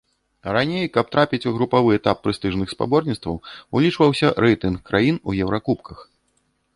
Раней, каб трапіць у групавы этап прэстыжных спаборніцтваў, улічваўся рэйтынг краін у еўракубках.